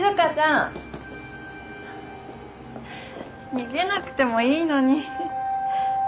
逃げなくてもいいのに。